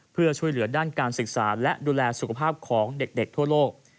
เพื่อช่วยเหลือด้านการศึกษาและดูแลสุขภาพของเด็กทั่วโลก